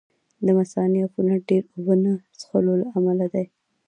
د مثانې عفونت ډېرې اوبه نه څښلو له امله دی.